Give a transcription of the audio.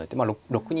６二